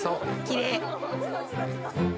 きれい。